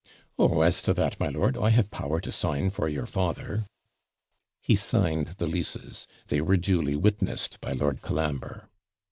'Oh, as to that, my lord, I have power to sign for your father.' He signed the leases; they were duly witnessed by Lord Colambre.